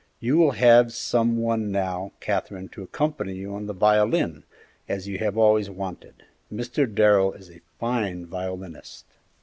"You will have some one now, Katherine, to accompany you on the violin, as you have always wanted; Mr. Darrell is a fine violinist."